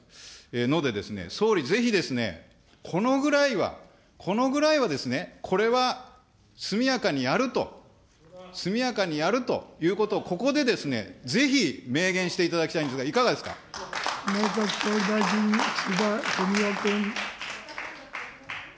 のでですね、総理、ぜひですね、このぐらいは、このぐらいはですね、これは速やかにやると、速やかにやるということをここでぜひ明言していただきたいんです内閣総理大臣、岸田文雄君。